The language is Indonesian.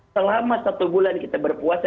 selama satu bulan kita berpuasa